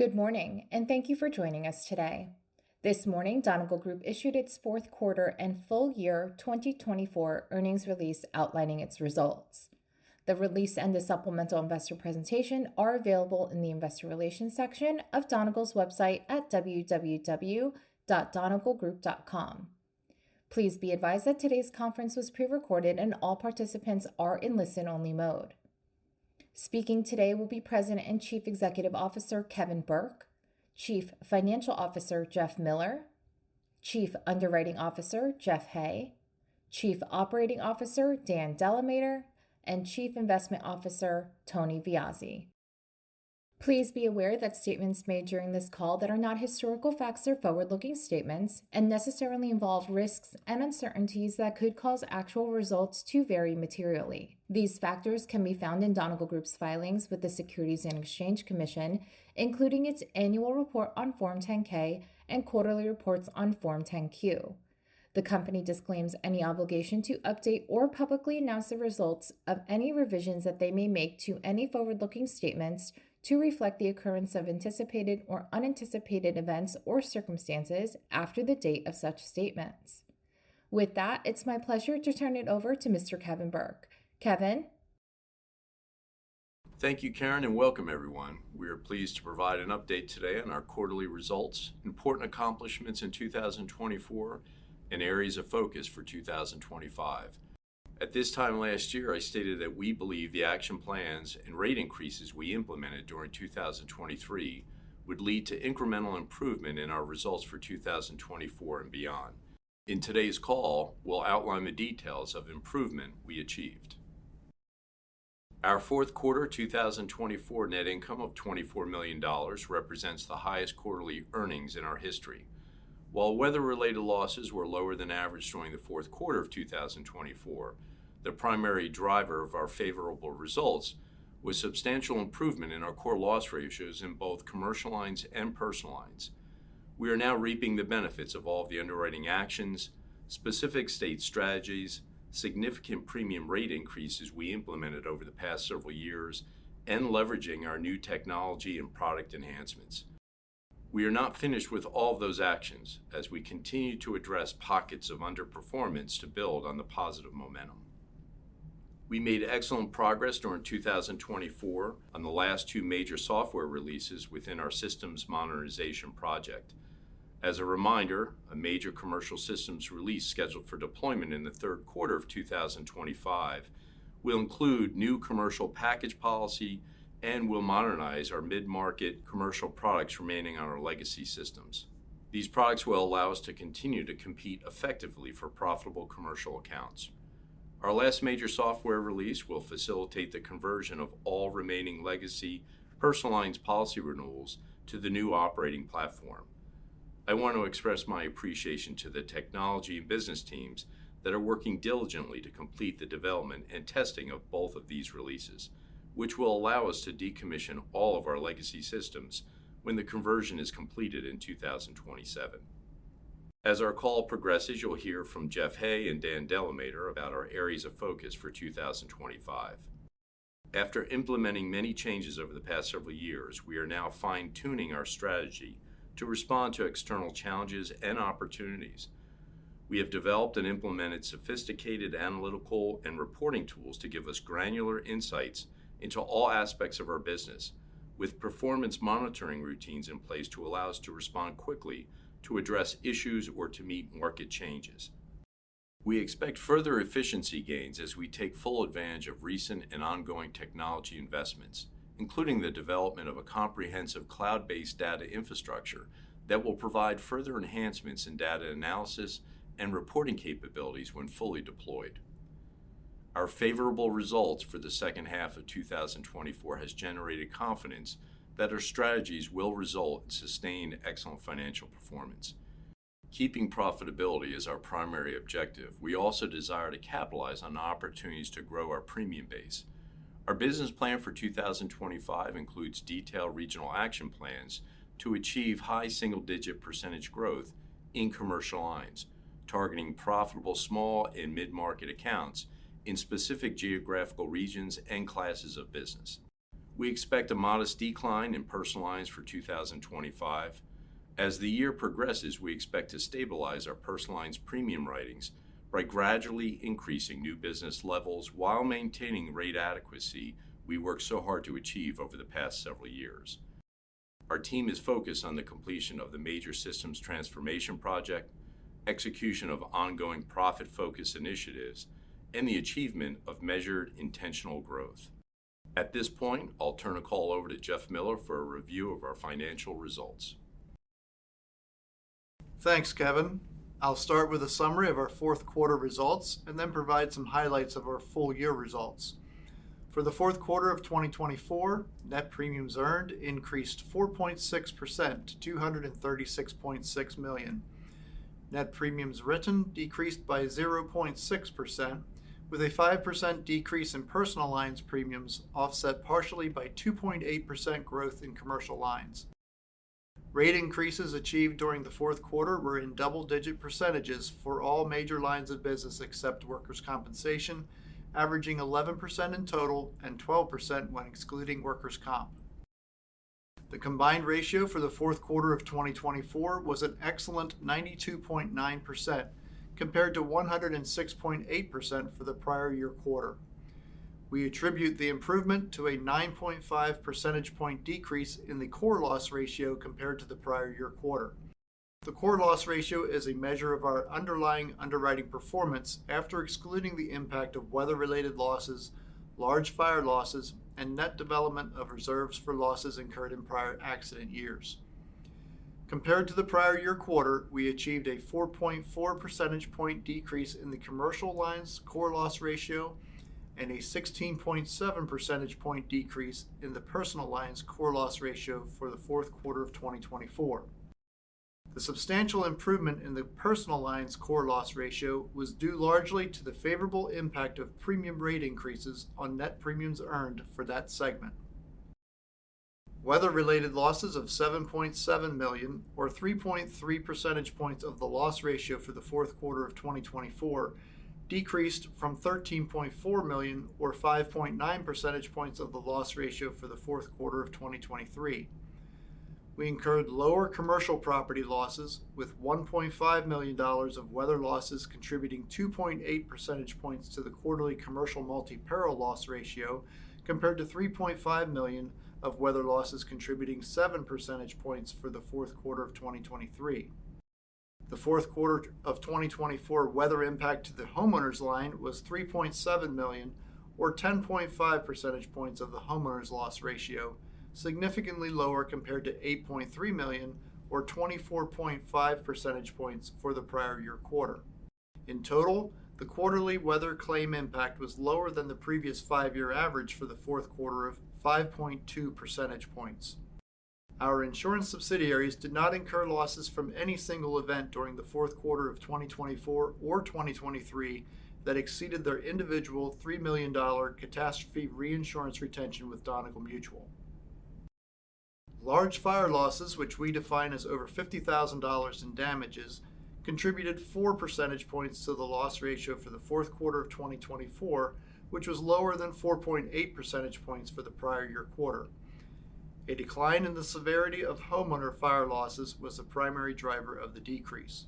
Good morning, and thank you for joining us today. This morning, Donegal Group issued its Fourth Quarter and Full Year 2024 Earnings Release outlining results. The release and the supplemental investor presentation are available in the Investor Relations section of Donegal's website at www.donegalgroup.com. Please be advised that today's conference was pre-recorded and all participants are in listen-only mode. Speaking today will be President and Chief Executive Officer Kevin Burke, Chief Financial Officer Jeff Miller, Chief Underwriting Officer Jeff Hay, Chief Operating Officer Dan DeLamater, and Chief Investment Officer Tony Viozzi. Please be aware that statements made during this call that are not historical facts or forward-looking statements and necessarily involve risks and uncertainties that could cause actual results to vary materially. These factors can be found in Donegal Group's filings with the Securities and Exchange Commission, including its annual report on Form 10-K and quarterly reports on Form 10-Q. The company disclaims any obligation to update or publicly announce the results of any revisions that they may make to any forward-looking statements to reflect the occurrence of anticipated or unanticipated events or circumstances after the date of such statements. With that, it's my pleasure to turn it over to Mr. Kevin Burke. Kevin. Thank you, Karin, and welcome, everyone. We are pleased to provide an update today on our quarterly results, important accomplishments in 2024, and areas of focus for 2025. At this time last year, I stated that we believe the action plans and rate increases we implemented during 2023 would lead to incremental improvement in our results for 2024 and beyond. In today's call, we'll outline the details of improvement we achieved. Our fourth quarter 2024 net income of $24 million represents the highest quarterly earnings in our history. While weather-related losses were lower than average during the fourth quarter of 2024, the primary driver of our favorable results was substantial improvement in our core loss ratios in both commercial lines and personal lines. We are now reaping the benefits of all of the underwriting actions, specific state strategies, significant premium rate increases we implemented over the past several years, and leveraging our new technology and product enhancements. We are not finished with all of those actions as we continue to address pockets of underperformance to build on the positive momentum. We made excellent progress during 2024 on the last two major software releases within our systems modernization project. As a reminder, a major commercial systems release scheduled for deployment in the third quarter of 2025 will include new commercial package policy and will modernize our mid-market commercial products remaining on our legacy systems. These products will allow us to continue to compete effectively for profitable commercial accounts. Our last major software release will facilitate the conversion of all remaining legacy personal lines policy renewals to the new operating platform. I want to express my appreciation to the technology and business teams that are working diligently to complete the development and testing of both of these releases, which will allow us to decommission all of our legacy systems when the conversion is completed in 2027. As our call progresses, you'll hear from Jeff Hay and Dan DeLamater about our areas of focus for 2025. After implementing many changes over the past several years, we are now fine-tuning our strategy to respond to external challenges and opportunities. We have developed and implemented sophisticated analytical and reporting tools to give us granular insights into all aspects of our business, with performance monitoring routines in place to allow us to respond quickly to address issues or to meet market changes. We expect further efficiency gains as we take full advantage of recent and ongoing technology investments, including the development of a comprehensive cloud-based data infrastructure that will provide further enhancements in data analysis and reporting capabilities when fully deployed. Our favorable results for the second half of 2024 have generated confidence that our strategies will result in sustained excellent financial performance. Keeping profitability is our primary objective. We also desire to capitalize on opportunities to grow our premium base. Our business plan for 2025 includes detailed regional action plans to achieve high single-digit % growth in commercial lines, targeting profitable small and mid-market accounts in specific geographical regions and classes of business. We expect a modest decline in personal lines for 2025. As the year progresses, we expect to stabilize our personal lines premium ratings by gradually increasing new business levels while maintaining rate adequacy we worked so hard to achieve over the past several years. Our team is focused on the completion of the major systems transformation project, execution of ongoing profit-focused initiatives, and the achievement of measured intentional growth. At this point, I'll turn the call over to Jeff Miller for a review of our financial results. Thanks, Kevin. I'll start with a summary of our fourth quarter results and then provide some highlights of our full year results. For the fourth quarter of 2024, net premiums earned increased 4.6% to $236.6 million. Net premiums written decreased by 0.6%, with a 5% decrease in personal lines premiums offset partially by 2.8% growth in commercial lines. Rate increases achieved during the fourth quarter were in double-digit percentages for all major lines of business except workers' compensation, averaging 11% in total and 12% when excluding workers' comp. The combined ratio for the fourth quarter of 2024 was an excellent 92.9% compared to 106.8% for the prior year quarter. We attribute the improvement to a 9.5 percentage point decrease in the core loss ratio compared to the prior year quarter. The core loss ratio is a measure of our underlying underwriting performance after excluding the impact of weather-related losses, large fire losses, and net development of reserves for losses incurred in prior accident years. Compared to the prior year quarter, we achieved a 4.4 percentage point decrease in the commercial lines core loss ratio and a 16.7 percentage point decrease in the personal lines core loss ratio for the fourth quarter of 2024. The substantial improvement in the personal lines core loss ratio was due largely to the favorable impact of premium rate increases on net premiums earned for that segment. Weather-related losses of $7.7 million, or 3.3 percentage points of the loss ratio for the fourth quarter of 2024, decreased from $13.4 million, or 5.9 percentage points of the loss ratio for the fourth quarter of 2023. We incurred lower commercial property losses, with $1.5 million of weather losses contributing 2.8 percentage points to the quarterly commercial multi-peril loss ratio compared to $3.5 million of weather losses contributing seven percentage points for the fourth quarter of 2023. The fourth quarter of 2024 weather impact to the homeowners line was $3.7 million, or 10.5 percentage points of the homeowners loss ratio, significantly lower compared to $8.3 million, or 24.5 percentage points for the prior year quarter. In total, the quarterly weather claim impact was lower than the previous five-year average for the fourth quarter of 5.2 percentage points. Our insurance subsidiaries did not incur losses from any single event during the fourth quarter of 2024 or 2023 that exceeded their individual $3 million catastrophe reinsurance retention with Donegal Mutual. Large fire losses, which we define as over $50,000 in damages, contributed four percentage points to the loss ratio for the fourth quarter of 2024, which was lower than 4.8 percentage points for the prior year quarter. A decline in the severity of homeowner fire losses was the primary driver of the decrease.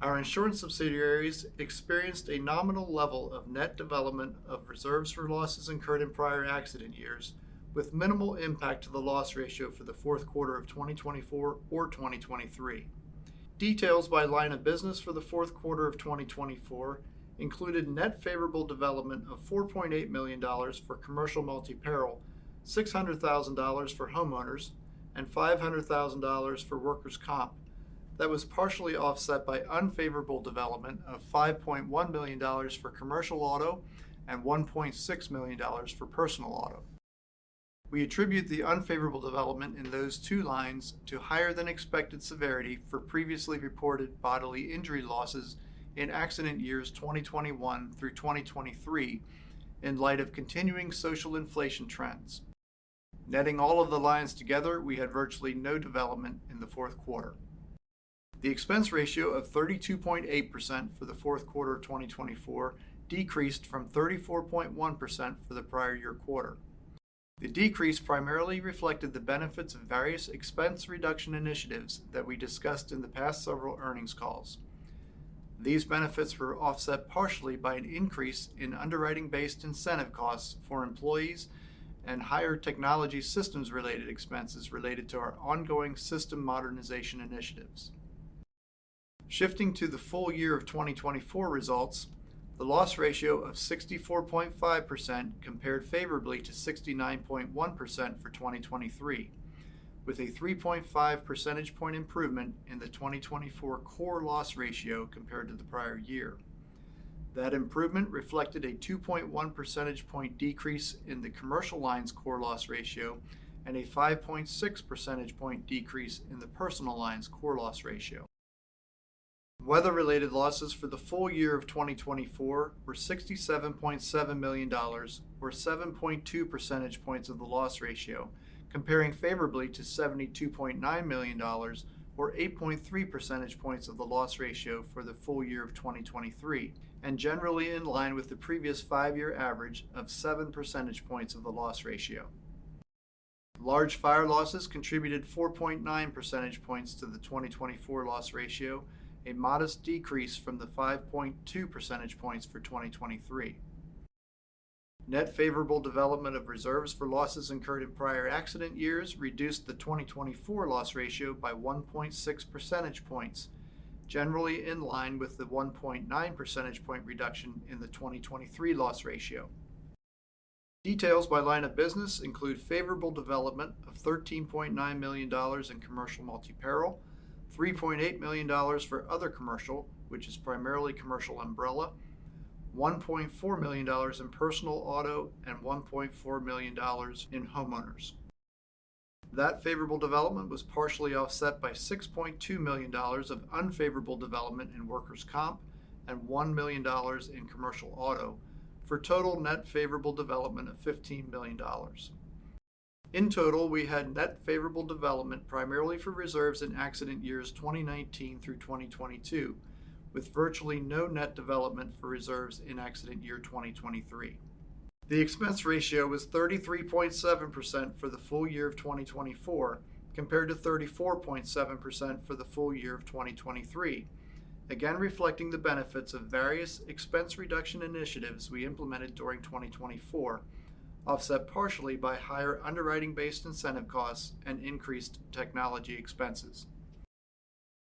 Our insurance subsidiaries experienced a nominal level of net development of reserves for losses incurred in prior accident years, with minimal impact to the loss ratio for the fourth quarter of 2024 or 2023. Details by line of business for the fourth quarter of 2024 included net favorable development of $4.8 million for commercial multi-peril, $600,000 for homeowners, and $500,000 for workers' comp that was partially offset by unfavorable development of $5.1 million for commercial auto and $1.6 million for personal auto. We attribute the unfavorable development in those two lines to higher-than-expected severity for previously reported bodily injury losses in accident years 2021 through 2023 in light of continuing social inflation trends. Netting all of the lines together, we had virtually no development in the fourth quarter. The expense ratio of 32.8% for the fourth quarter of 2024 decreased from 34.1% for the prior year quarter. The decrease primarily reflected the benefits of various expense reduction initiatives that we discussed in the past several earnings calls. These benefits were offset partially by an increase in underwriting-based incentive costs for employees and higher technology systems-related expenses related to our ongoing system modernization initiatives. Shifting to the full year of 2024 results, the loss ratio of 64.5% compared favorably to 69.1% for 2023, with a 3.5 percentage point improvement in the 2024 core loss ratio compared to the prior year. That improvement reflected a 2.1 percentage point decrease in the commercial lines core loss ratio and a 5.6 percentage point decrease in the personal lines core loss ratio. Weather-related losses for the full year of 2024 were $67.7 million, or 7.2 percentage points of the loss ratio, comparing favorably to $72.9 million, or 8.3 percentage points of the loss ratio for the full year of 2023, and generally in line with the previous five-year average of seven percentage points of the loss ratio. Large fire losses contributed 4.9 percentage points to the 2024 loss ratio, a modest decrease from the 5.2 percentage points for 2023. Net favorable development of reserves for losses incurred in prior accident years reduced the 2024 loss ratio by 1.6 percentage points, generally in line with the 1.9 percentage point reduction in the 2023 loss ratio. Details by line of business include favorable development of $13.9 million in commercial multi-peril, $3.8 million for other commercial, which is primarily commercial umbrella, $1.4 million in personal auto, and $1.4 million in homeowners. That favorable development was partially offset by $6.2 million of unfavorable development in workers' comp and $1 million in commercial auto, for total net favorable development of $15 million. In total, we had net favorable development primarily for reserves in accident years 2019 through 2022, with virtually no net development for reserves in accident year 2023. The expense ratio was 33.7% for the full year of 2024 compared to 34.7% for the full year of 2023, again reflecting the benefits of various expense reduction initiatives we implemented during 2024, offset partially by higher underwriting-based incentive costs and increased technology expenses.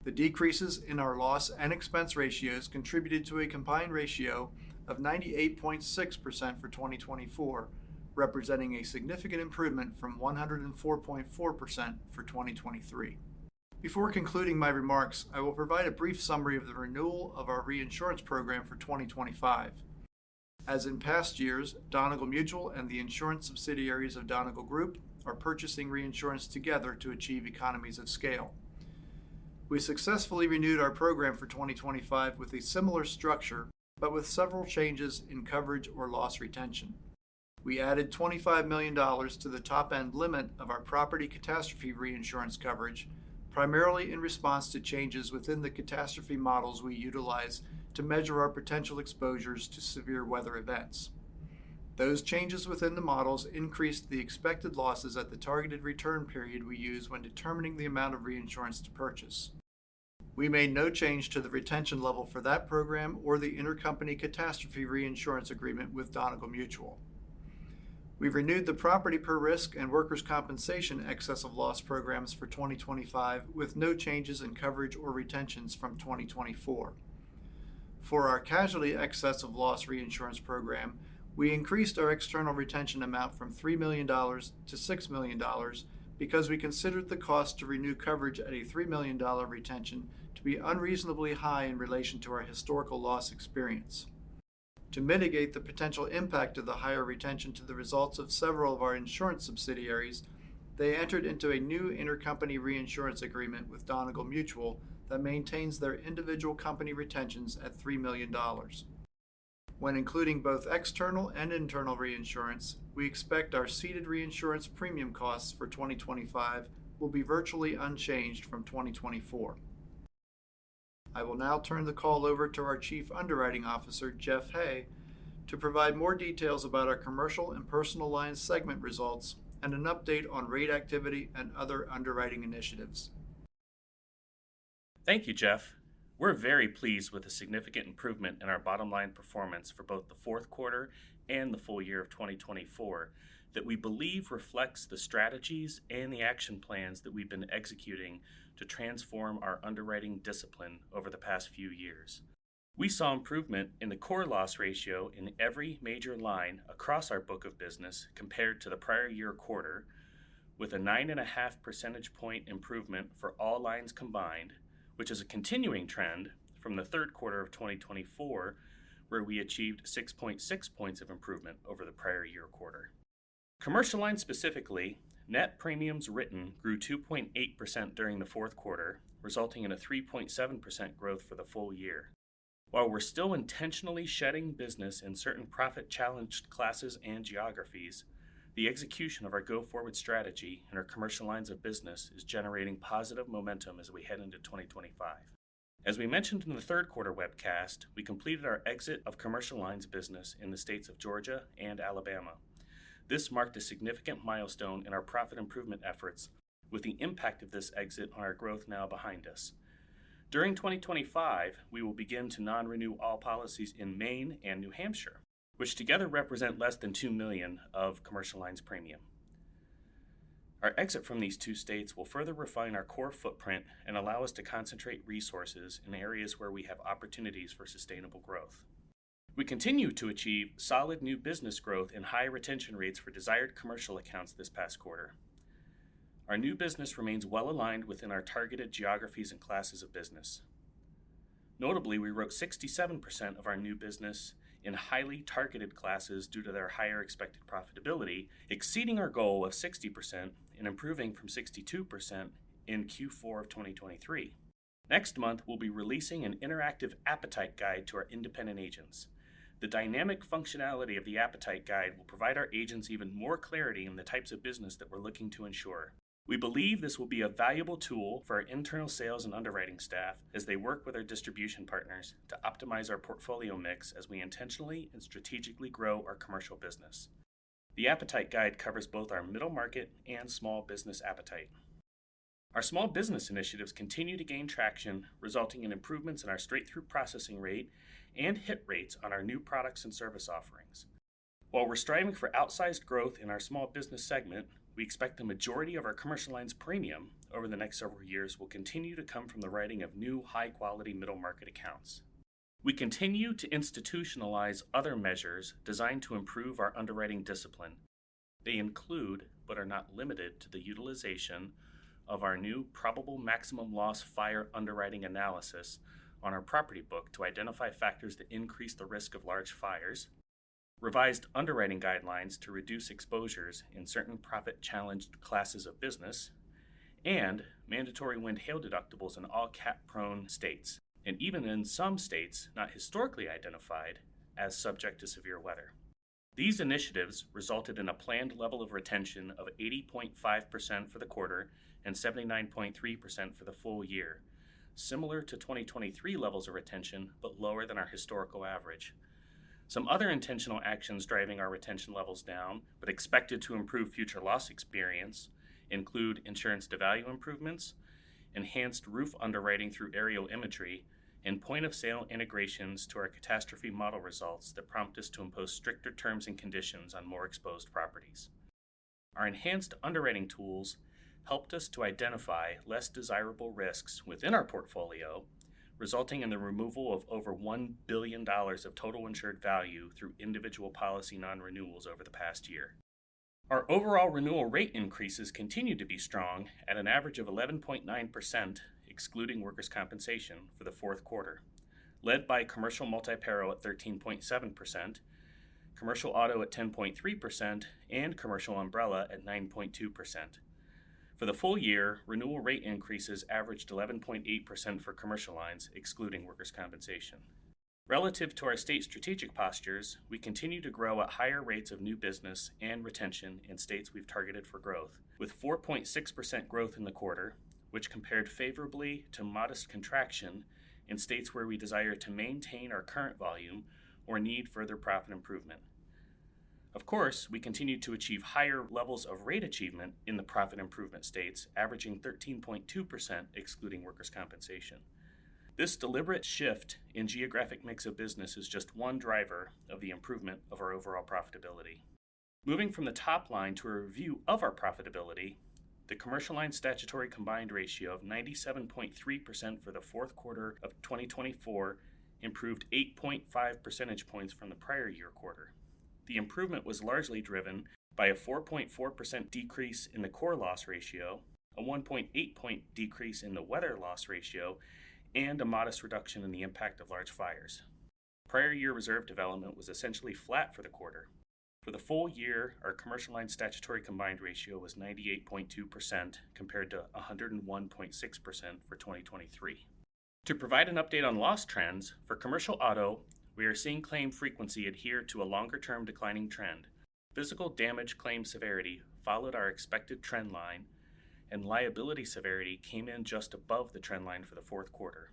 The decreases in our loss and expense ratios contributed to a combined ratio of 98.6% for 2024, representing a significant improvement from 104.4% for 2023. Before concluding my remarks, I will provide a brief summary of the renewal of our reinsurance program for 2025. As in past years, Donegal Mutual and the insurance subsidiaries of Donegal Group are purchasing reinsurance together to achieve economies of scale. We successfully renewed our program for 2025 with a similar structure, but with several changes in coverage or loss retention. We added $25 million to the top-end limit of our property catastrophe reinsurance coverage, primarily in response to changes within the catastrophe models we utilize to measure our potential exposures to severe weather events. Those changes within the models increased the expected losses at the targeted return period we use when determining the amount of reinsurance to purchase. We made no change to the retention level for that program or the intercompany catastrophe reinsurance agreement with Donegal Mutual. We renewed the property per risk and workers' compensation excess of loss programs for 2025, with no changes in coverage or retentions from 2024. For our casualty excess of loss reinsurance program, we increased our external retention amount from $3 million to $6 million because we considered the cost to renew coverage at a $3 million retention to be unreasonably high in relation to our historical loss experience. To mitigate the potential impact of the higher retention to the results of several of our insurance subsidiaries, they entered into a new intercompany reinsurance agreement with Donegal Mutual that maintains their individual company retentions at $3 million. When including both external and internal reinsurance, we expect our ceded reinsurance premium costs for 2025 will be virtually unchanged from 2024. I will now turn the call over to our Chief Underwriting Officer, Jeff Hay, to provide more details about our commercial and personal lines segment results and an update on rate activity and other underwriting initiatives. Thank you, Jeff. We're very pleased with the significant improvement in our bottom line performance for both the fourth quarter and the full year of 2024 that we believe reflects the strategies and the action plans that we've been executing to transform our underwriting discipline over the past few years. We saw improvement in the core loss ratio in every major line across our book of business compared to the prior year quarter, with a 9.5 percentage point improvement for all lines combined, which is a continuing trend from the third quarter of 2024, where we achieved 6.6 points of improvement over the prior year quarter. Commercial lines specifically, net premiums written grew 2.8% during the fourth quarter, resulting in a 3.7% growth for the full year. While we're still intentionally shedding business in certain profit-challenged classes and geographies, the execution of our go-forward strategy and our commercial lines of business is generating positive momentum as we head into 2025. As we mentioned in the third quarter webcast, we completed our exit of commercial lines business in the states of Georgia and Alabama. This marked a significant milestone in our profit improvement efforts, with the impact of this exit on our growth now behind us. During 2025, we will begin to non-renew all policies in Maine and New Hampshire, which together represent less than $2 million of commercial lines premium. Our exit from these two states will further refine our core footprint and allow us to concentrate resources in areas where we have opportunities for sustainable growth. We continue to achieve solid new business growth and high retention rates for desired commercial accounts this past quarter. Our new business remains well aligned within our targeted geographies and classes of business. Notably, we wrote 67% of our new business in highly targeted classes due to their higher expected profitability, exceeding our goal of 60% and improving from 62% in Q4 of 2023. Next month, we'll be releasing an interactive appetite guide to our independent agents. The dynamic functionality of the appetite guide will provide our agents even more clarity in the types of business that we're looking to insure. We believe this will be a valuable tool for our internal sales and underwriting staff as they work with our distribution partners to optimize our portfolio mix as we intentionally and strategically grow our commercial business. The appetite guide covers both our middle market and small business appetite. Our small business initiatives continue to gain traction, resulting in improvements in our straight-through processing rate and hit rates on our new products and service offerings. While we're striving for outsized growth in our small business segment, we expect the majority of our commercial lines premium over the next several years will continue to come from the writing of new high-quality middle market accounts. We continue to institutionalize other measures designed to improve our underwriting discipline. They include, but are not limited to, the utilization of our new probable maximum loss fire underwriting analysis on our property book to identify factors that increase the risk of large fires, revised underwriting guidelines to reduce exposures in certain profit-challenged classes of business, and mandatory wind/hail deductibles in all cat-prone states, and even in some states not historically identified as subject to severe weather. These initiatives resulted in a planned level of retention of 80.5% for the quarter and 79.3% for the full year, similar to 2023 levels of retention, but lower than our historical average. Some other intentional actions driving our retention levels down, but expected to improve future loss experience, include insurance-to-value improvements, enhanced roof underwriting through aerial imagery, and point-of-sale integrations to our catastrophe model results that prompt us to impose stricter terms and conditions on more exposed properties. Our enhanced underwriting tools helped us to identify less desirable risks within our portfolio, resulting in the removal of over $1 billion of total insured value through individual policy non-renewals over the past year. Our overall renewal rate increases continue to be strong at an average of 11.9%, excluding workers' compensation for the fourth quarter, led by commercial multi-peril at 13.7%, commercial auto at 10.3%, and commercial umbrella at 9.2%. For the full year, renewal rate increases averaged 11.8% for commercial lines, excluding workers' compensation. Relative to our state strategic postures, we continue to grow at higher rates of new business and retention in states we've targeted for growth, with 4.6% growth in the quarter, which compared favorably to modest contraction in states where we desire to maintain our current volume or need further profit improvement. Of course, we continue to achieve higher levels of rate achievement in the profit improvement states, averaging 13.2%, excluding workers' compensation. This deliberate shift in geographic mix of business is just one driver of the improvement of our overall profitability. Moving from the top line to a review of our profitability, the commercial line statutory combined ratio of 97.3% for the fourth quarter of 2024 improved 8.5 percentage points from the prior year quarter. The improvement was largely driven by a 4.4% decrease in the core loss ratio, a 1.8-point decrease in the weather loss ratio, and a modest reduction in the impact of large fires. Prior year reserve development was essentially flat for the quarter. For the full year, our commercial line statutory combined ratio was 98.2% compared to 101.6% for 2023. To provide an update on loss trends, for commercial auto, we are seeing claim frequency adhere to a longer-term declining trend. Physical damage claim severity followed our expected trend line, and liability severity came in just above the trend line for the fourth quarter.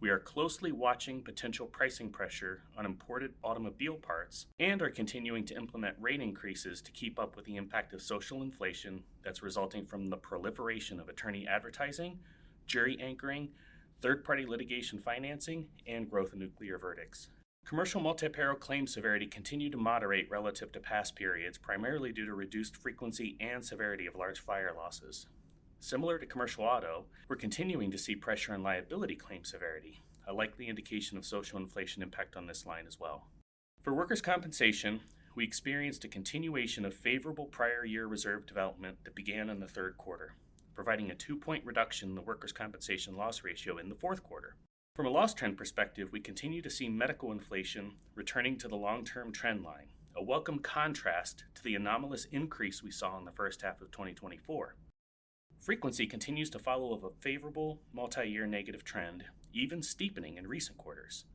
We are closely watching potential pricing pressure on imported automobile parts and are continuing to implement rate increases to keep up with the impact of social inflation that's resulting from the proliferation of attorney advertising, jury anchoring, third-party litigation financing, and growth of nuclear verdicts. Commercial multi-peril claim severity continued to moderate relative to past periods, primarily due to reduced frequency and severity of large fire losses. Similar to commercial auto, we're continuing to see pressure on liability claim severity, a likely indication of social inflation impact on this line as well. For workers' compensation, we experienced a continuation of favorable prior year reserve development that began in the third quarter, providing a two-point reduction in the workers' compensation loss ratio in the fourth quarter. From a loss trend perspective, we continue to see medical inflation returning to the long-term trend line, a welcome contrast to the anomalous increase we saw in the first half of 2024. Frequency continues to follow a favorable multi-year negative trend, even steepening in recent quarters.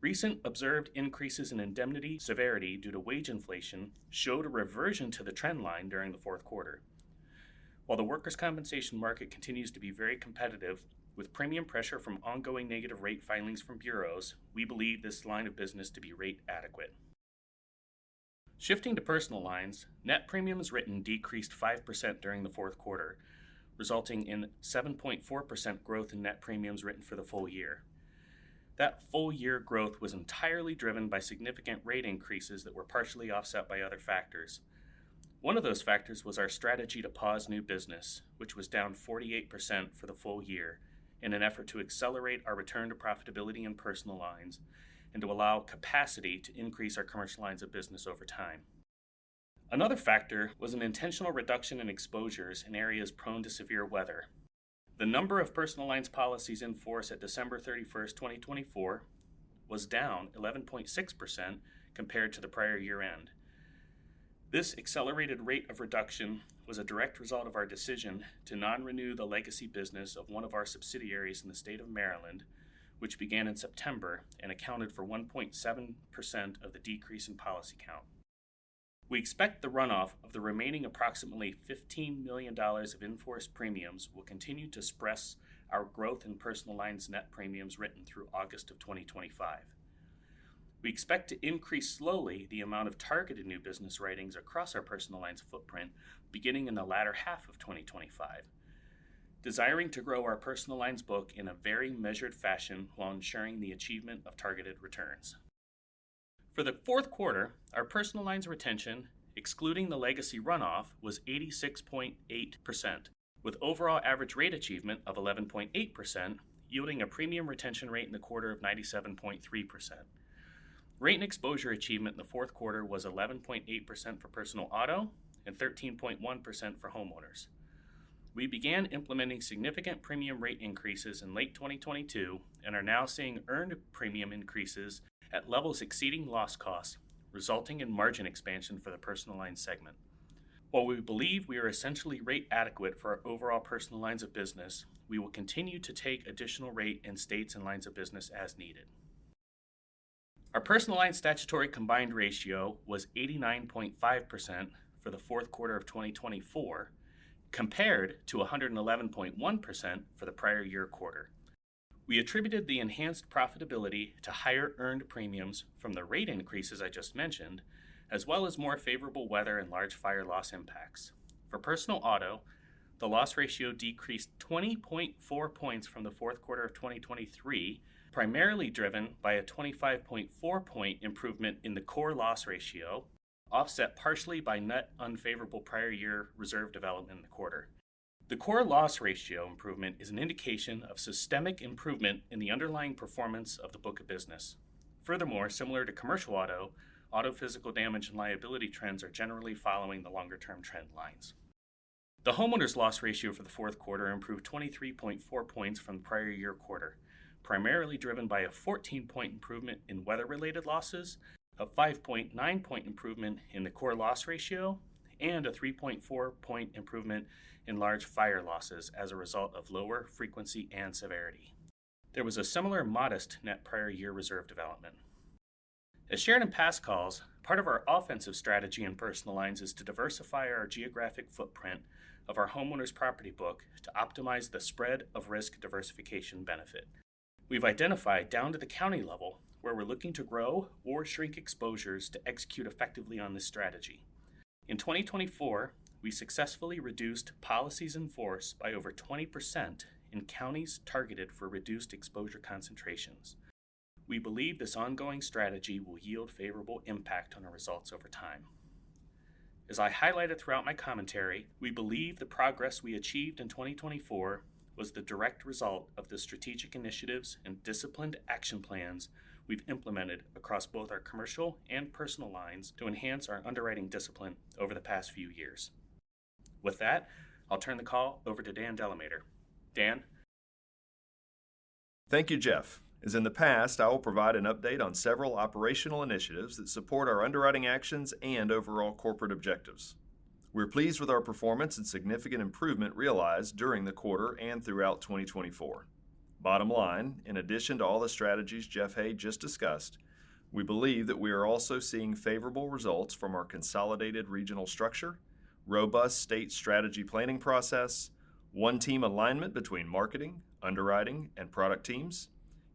Recent observed increases in indemnity severity due to wage inflation showed a reversion to the trend line during the fourth quarter. While the workers' compensation market continues to be very competitive, with premium pressure from ongoing negative rate filings from bureaus, we believe this line of business to be rate adequate. Shifting to personal lines, net premiums written decreased 5% during the fourth quarter, resulting in 7.4% growth in net premiums written for the full year. That full year growth was entirely driven by significant rate increases that were partially offset by other factors. One of those factors was our strategy to pause new business, which was down 48% for the full year in an effort to accelerate our return to profitability in personal lines and to allow capacity to increase our commercial lines of business over time. Another factor was an intentional reduction in exposures in areas prone to severe weather. The number of personal lines policies in force at December 31st, 2024, was down 11.6% compared to the prior year-end. This accelerated rate of reduction was a direct result of our decision to non-renew the legacy business of one of our subsidiaries in the state of Maryland, which began in September and accounted for 1.7% of the decrease in policy count. We expect the runoff of the remaining approximately $15 million of in-force premiums will continue to suppress our growth in personal lines net premiums written through August of 2025. We expect to increase slowly the amount of targeted new business writings across our personal lines footprint beginning in the latter half of 2025, desiring to grow our personal lines book in a very measured fashion while ensuring the achievement of targeted returns. For the fourth quarter, our personal lines retention, excluding the legacy runoff, was 86.8%, with overall average rate achievement of 11.8%, yielding a premium retention rate in the quarter of 97.3%. Rate and exposure achievement in the fourth quarter was 11.8% for personal auto and 13.1% for homeowners. We began implementing significant premium rate increases in late 2022 and are now seeing earned premium increases at levels exceeding loss costs, resulting in margin expansion for the personal lines segment. While we believe we are essentially rate adequate for our overall personal lines of business, we will continue to take additional rate in states and lines of business as needed. Our personal lines statutory combined ratio was 89.5% for the fourth quarter of 2024, compared to 111.1% for the prior year quarter. We attributed the enhanced profitability to higher earned premiums from the rate increases I just mentioned, as well as more favorable weather and large fire loss impacts. For personal auto, the loss ratio decreased 20.4 points from the fourth quarter of 2023, primarily driven by a 25.4-point improvement in the core loss ratio, offset partially by net unfavorable prior year reserve development in the quarter. The core loss ratio improvement is an indication of systemic improvement in the underlying performance of the book of business. Furthermore, similar to commercial auto, auto physical damage and liability trends are generally following the longer-term trend lines. The homeowners loss ratio for the fourth quarter improved 23.4 points from the prior year quarter, primarily driven by a 14-point improvement in weather-related losses, a 5.9-point improvement in the core loss ratio, and a 3.4-point improvement in large fire losses as a result of lower frequency and severity. There was a similar modest net prior year reserve development. As shared in past calls, part of our offensive strategy in personal lines is to diversify our geographic footprint of our homeowners property book to optimize the spread of risk diversification benefit. We've identified down to the county level where we're looking to grow or shrink exposures to execute effectively on this strategy. In 2024, we successfully reduced policies in force by over 20% in counties targeted for reduced exposure concentrations. We believe this ongoing strategy will yield favorable impact on our results over time. As I highlighted throughout my commentary, we believe the progress we achieved in 2024 was the direct result of the strategic initiatives and disciplined action plans we've implemented across both our commercial and personal lines to enhance our underwriting discipline over the past few years. With that, I'll turn the call over to Dan DeLamater. Dan. Thank you, Jeff. As in the past, I will provide an update on several operational initiatives that support our underwriting actions and overall corporate objectives. We're pleased with our performance and significant improvement realized during the quarter and throughout 2024. Bottom line, in addition to all the strategies Jeff Hay just discussed, we believe that we are also seeing favorable results from our consolidated regional structure, robust state strategy planning process, one-team alignment between marketing, underwriting, and product teams,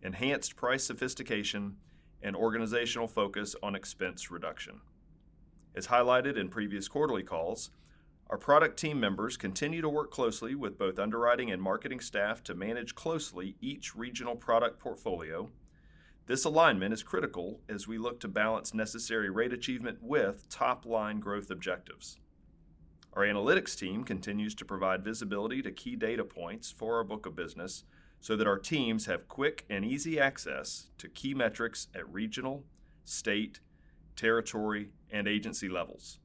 enhanced price sophistication, and organizational focus on expense reduction. As highlighted in previous quarterly calls, our product team members continue to work closely with both underwriting and marketing staff to manage closely each regional product portfolio. This alignment is critical as we look to balance necessary rate achievement with top-line growth objectives. Our analytics team continues to provide visibility to key data points for our book of business so that our teams have quick and easy access to key metrics at regional, state, territory, and agency levels.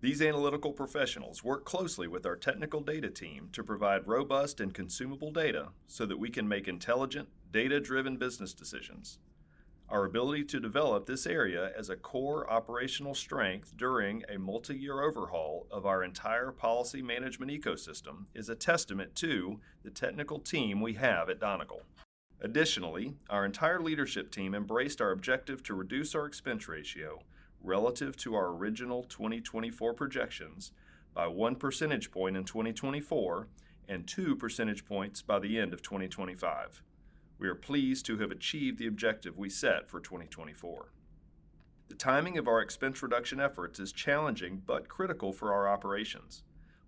These analytical professionals work closely with our technical data team to provide robust and consumable data so that we can make intelligent, data-driven business decisions. Our ability to develop this area as a core operational strength during a multi-year overhaul of our entire policy management ecosystem is a testament to the technical team we have at Donegal. Additionally, our entire leadership team embraced our objective to reduce our expense ratio relative to our original 2024 projections by one percentage point in 2024 and two percentage points by the end of 2025. We are pleased to have achieved the objective we set for 2024. The timing of our expense reduction efforts is challenging but critical for our operations.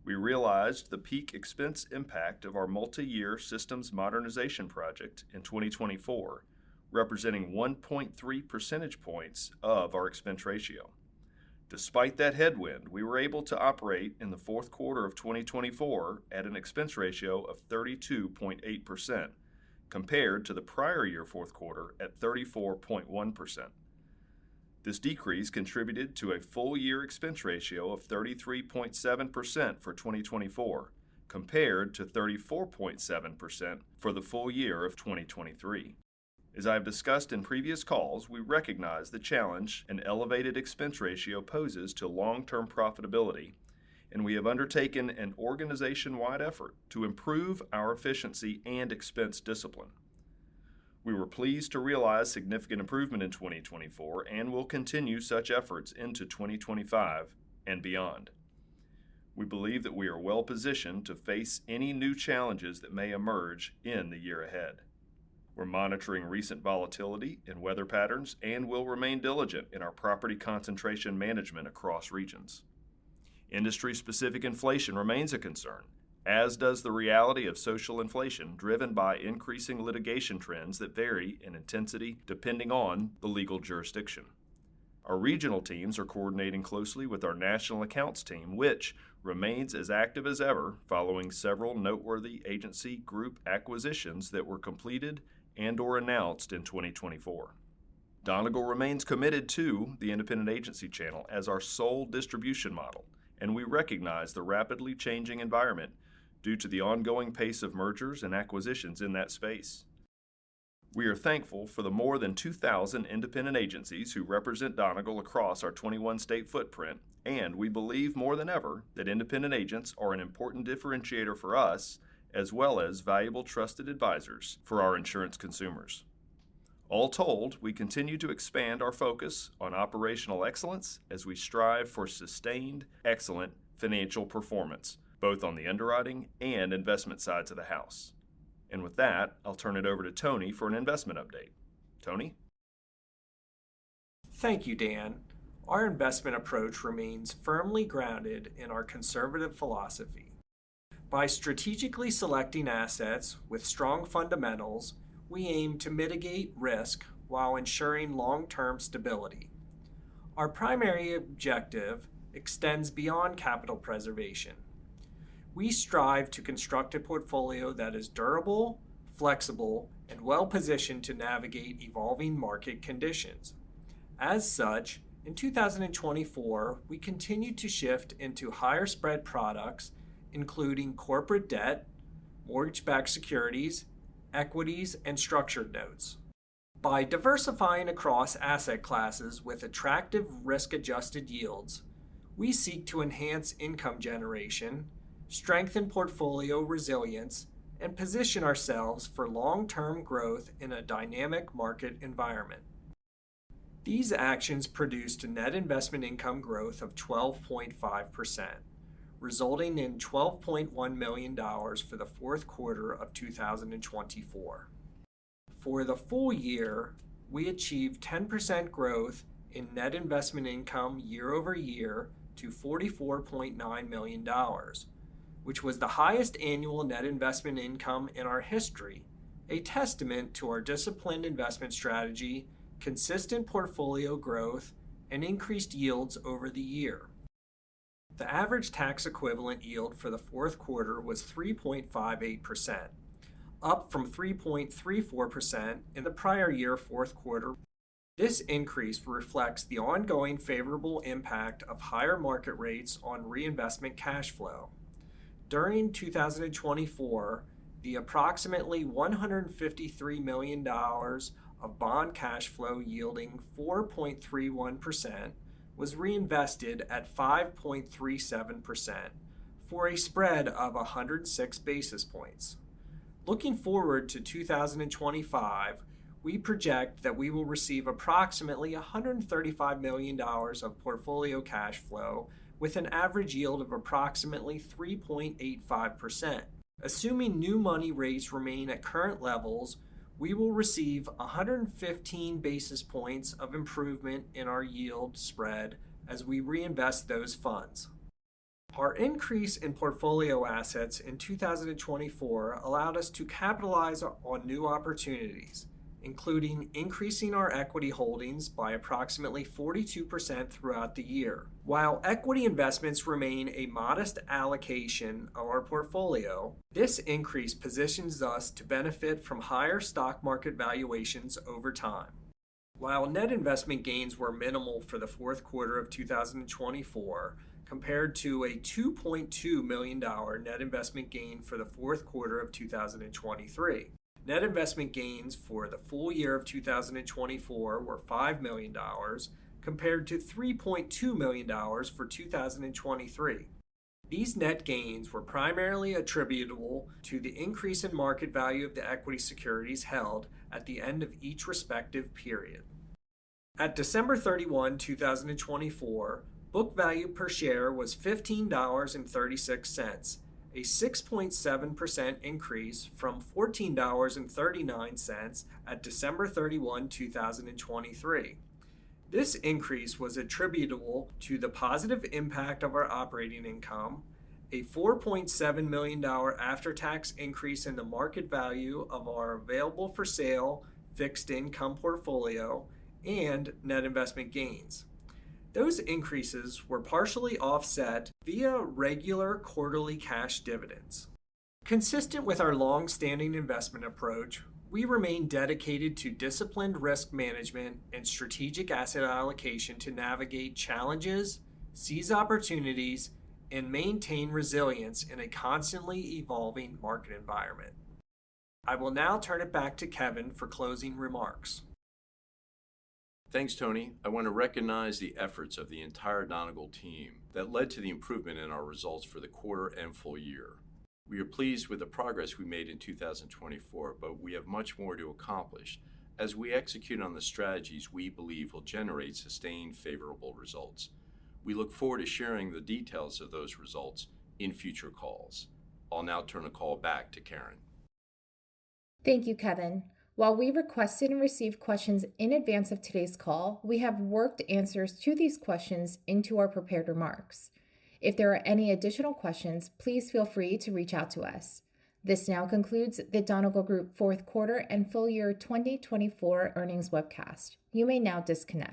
We realized the peak expense impact of our multi-year systems modernization project in 2024, representing 1.3 percentage points of our expense ratio. Despite that headwind, we were able to operate in the fourth quarter of 2024 at an expense ratio of 32.8%, compared to the prior year fourth quarter at 34.1%. This decrease contributed to a full-year expense ratio of 33.7% for 2024, compared to 34.7% for the full year of 2023. As I have discussed in previous calls, we recognize the challenge an elevated expense ratio poses to long-term profitability, and we have undertaken an organization-wide effort to improve our efficiency and expense discipline. We were pleased to realize significant improvement in 2024 and will continue such efforts into 2025 and beyond. We believe that we are well-positioned to face any new challenges that may emerge in the year ahead. We're monitoring recent volatility in weather patterns and will remain diligent in our property concentration management across regions. Industry-specific inflation remains a concern, as does the reality of social inflation driven by increasing litigation trends that vary in intensity depending on the legal jurisdiction. Our regional teams are coordinating closely with our national accounts team, which remains as active as ever following several noteworthy agency group acquisitions that were completed and/or announced in 2024. Donegal remains committed to the independent agency channel as our sole distribution model, and we recognize the rapidly changing environment due to the ongoing pace of mergers and acquisitions in that space. We are thankful for the more than 2,000 independent agencies who represent Donegal across our 21-state footprint, and we believe more than ever that independent agents are an important differentiator for us, as well as valuable trusted advisors for our insurance consumers. All told, we continue to expand our focus on operational excellence as we strive for sustained excellent financial performance, both on the underwriting and investment sides of the house, and with that, I'll turn it over to Tony for an investment update. Tony? Thank you, Dan. Our investment approach remains firmly grounded in our conservative philosophy. By strategically selecting assets with strong fundamentals, we aim to mitigate risk while ensuring long-term stability. Our primary objective extends beyond capital preservation. We strive to construct a portfolio that is durable, flexible, and well-positioned to navigate evolving market conditions. As such, in 2024, we continue to shift into higher-spread products, including corporate debt, mortgage-backed securities, equities, and structured notes. By diversifying across asset classes with attractive risk-adjusted yields, we seek to enhance income generation, strengthen portfolio resilience, and position ourselves for long-term growth in a dynamic market environment. These actions produced a net investment income growth of 12.5%, resulting in $12.1 million for the fourth quarter of 2024. For the full year, we achieved 10% growth in net investment income year-over-year to $44.9 million, which was the highest annual net investment income in our history, a testament to our disciplined investment strategy, consistent portfolio growth, and increased yields over the year. The average tax equivalent yield for the fourth quarter was 3.58%, up from 3.34% in the prior year fourth quarter. This increase reflects the ongoing favorable impact of higher market rates on reinvestment cash flow. During 2024, the approximately $153 million of bond cash flow yielding 4.31% was reinvested at 5.37%, for a spread of 106 basis points. Looking forward to 2025, we project that we will receive approximately $135 million of portfolio cash flow with an average yield of approximately 3.85%. Assuming new money rates remain at current levels, we will receive 115 basis points of improvement in our yield spread as we reinvest those funds. Our increase in portfolio assets in 2024 allowed us to capitalize on new opportunities, including increasing our equity holdings by approximately 42% throughout the year. While equity investments remain a modest allocation of our portfolio, this increase positions us to benefit from higher stock market valuations over time. While net investment gains were minimal for the fourth quarter of 2024, compared to a $2.2 million net investment gain for the fourth quarter of 2023, net investment gains for the full year of 2024 were $5 million, compared to $3.2 million for 2023. These net gains were primarily attributable to the increase in market value of the equity securities held at the end of each respective period. At December 31, 2024, book value per share was $15.36, a 6.7% increase from $14.39 at December 31, 2023. This increase was attributable to the positive impact of our operating income, a $4.7 million after-tax increase in the market value of our available-for-sale fixed-income portfolio, and net investment gains. Those increases were partially offset via regular quarterly cash dividends. Consistent with our long-standing investment approach, we remain dedicated to disciplined risk management and strategic asset allocation to navigate challenges, seize opportunities, and maintain resilience in a constantly evolving market environment. I will now turn it back to Kevin for closing remarks. Thanks, Tony. I want to recognize the efforts of the entire Donegal team that led to the improvement in our results for the quarter and full year. We are pleased with the progress we made in 2024, but we have much more to accomplish as we execute on the strategies we believe will generate sustained favorable results. We look forward to sharing the details of those results in future calls. I'll now turn the call back to Karin. Thank you, Kevin. While we requested and received questions in advance of today's call, we have worked answers to these questions into our prepared remarks. If there are any additional questions, please feel free to reach out to us. This now concludes the Donegal Group Fourth Quarter and Full Year 2024 Earnings Webcast. You may now disconnect.